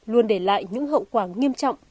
luôn để lại những hậu quả nghiêm trọng